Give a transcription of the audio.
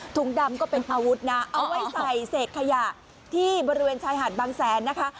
ดำก็เป็นอาวุธนะเอาไว้ใส่เศษขยะที่บริเวณชายหาดบางแสนนะคะ